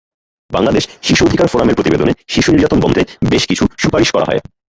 বাংলাদেশ শিশু অধিকার ফোরামের প্রতিবেদনে শিশু নির্যাতন বন্ধে বেশ কিছু সুপারিশ করা হয়।